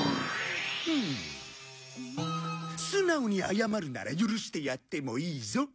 素直に謝るなら許してやってもいいぞ。